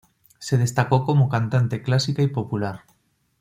Se destacó como cantante clásica y popular.